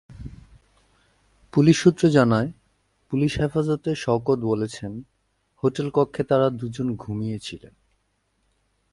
Police সূত্র জানায়, police হেফাজতে শওকত বলেছেন, হোটেল কক্ষে তাঁরা দুজন ঘুমিয়ে ছিলেন।